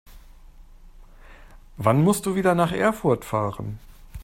Wann musst du wieder nach Erfurt fahren?